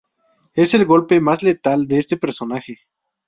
Es el golpe más letal de este personaje.